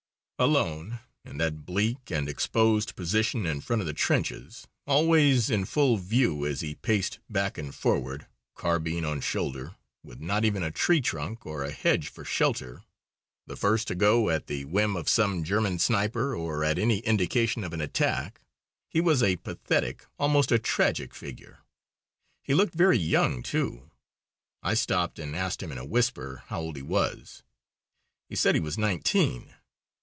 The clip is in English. Alone, in that bleak and exposed position in front of the trenches, always in full view as he paced back and forward, carbine on shoulder, with not even a tree trunk or a hedge for shelter, the first to go at the whim of some German sniper or at any indication of an attack, he was a pathetic, almost a tragic, figure. He looked very young too. I stopped and asked him in a whisper how old he was. He said he was nineteen!